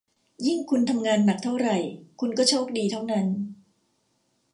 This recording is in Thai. ยิ่งคุณทำงานหนักเท่าไหร่ คุณก็โชคดีเท่านั้น